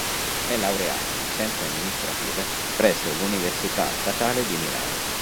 È laureata in Scienze amministrative presso l'Università Statale di Milano.